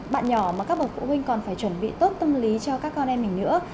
bạn nhỏ mà các bậc phụ huynh còn phải chuẩn bị tốt tâm lý cho các con em mình nữa